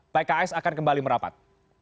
pks akan kembali merapat